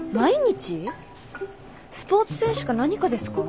スポーツ選手か何かですか？